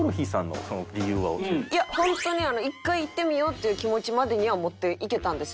本当に１回行ってみようっていう気持ちまでには持っていけたんです。